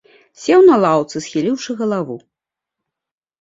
Сеў на лаўцы, схіліўшы галаву.